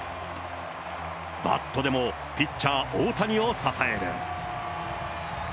バットでもピッチャー、大谷を支える。